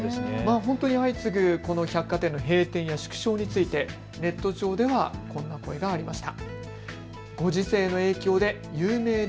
本当に相次ぐこの百貨店の閉店や縮小についてネット上ではこんな声がありました。